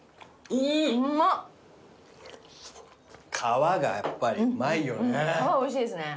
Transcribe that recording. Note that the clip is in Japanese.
皮がやっぱりうまいよね。